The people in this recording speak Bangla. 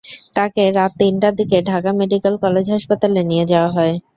তাকে রাত তিনটার দিকে ঢাকা মেডিকেল কলেজ হাসপাতালে নিয়ে যাওয়া হয়।